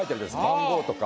番号とか。